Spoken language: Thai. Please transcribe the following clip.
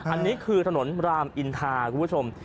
อันนี้คือถนนรามอินทาคุณผู้ชม